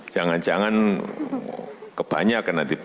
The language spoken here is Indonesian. jangan jangan kebanyak nanti